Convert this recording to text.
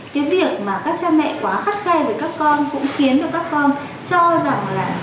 thì mà các cha mẹ quá khắt khe với các con cũng khiến cho các con cho rằng là